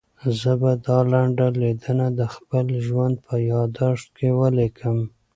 زه به دا لنډه لیدنه د خپل ژوند په یادښت کې ولیکم.